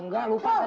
enggak lupa tadi